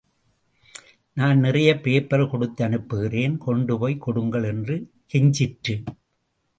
நான் நிறைய பேப்பர் கொடுந்தனுப்புகிறேன், கொண்டு போய்க் கொடுங்கள் என்று கெஞ்சிற்று.